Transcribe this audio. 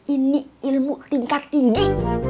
ini ilmu tingkat tinggi